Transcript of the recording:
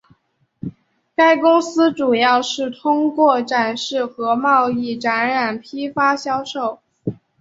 该公司主要是通过展示和贸易展览批发销售。